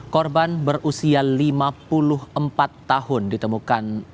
korban berusia lima puluh empat tahun ditemukan